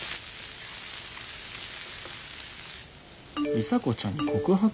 「里紗子ちゃんに告白？」。